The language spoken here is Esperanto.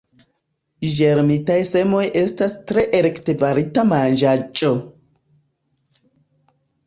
Ĝermitaj semoj estas tre altkvalita manĝaĵo.